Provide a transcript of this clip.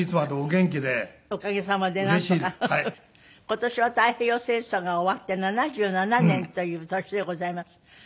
今年は太平洋戦争が終わって７７年という年でございます。